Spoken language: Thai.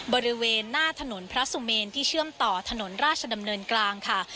บริเวณหน้าถนนพระสุเมนที่เชื่อมต่อถนนราชดำเนินกลางค่ะ